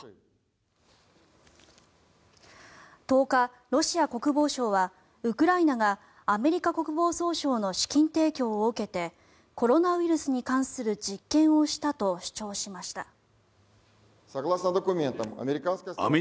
１０日、ロシア国防省はウクライナがアメリカ国防総省の資金提供を受けてコロナウイルスに関する実験をしたと主張しました。